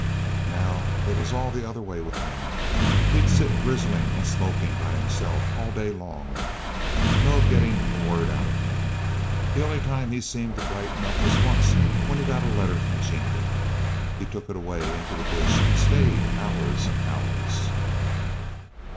Now it was all the other way with him. He'd sit grizzling and smoking by himself all day long. No getting a word out of him. The only time he seemed to brighten up was once when he got a letter from Jeanie. He took it away into the bush and stayed hours and hours.